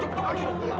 cukup cukup cukup